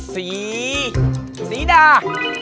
สีสีดา